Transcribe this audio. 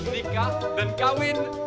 nikah dan kawin